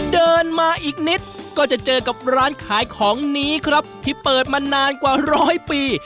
เดินมาอีกนิดก็จะเจอกับร้านขายของนี้ครับที่เปิดมานานกว่าร้อยปี